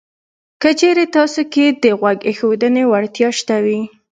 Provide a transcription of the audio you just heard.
که چېرې تاسې کې د غوږ ایښودنې وړتیا شته وي